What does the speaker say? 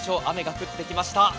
雨が降ってきました。